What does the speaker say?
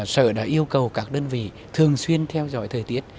sở đã yêu cầu các đơn vị thường xuyên theo dõi thời tiết